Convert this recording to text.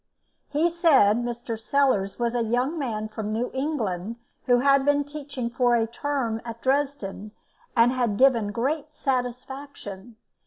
He said Mr. Sellars was a young man from New England who had been teaching for a term at Dresden, and had given great satisfaction.